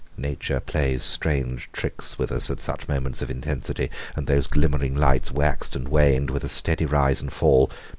Nature plays strange tricks with us at such moments of intensity, and those glimmering lights waxed and waned with a steady rise and fall.